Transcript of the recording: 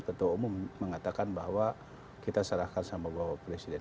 ketua umum mengatakan bahwa kita serahkan sama bapak presiden